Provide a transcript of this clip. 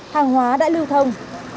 hàng hóa đã lưu thông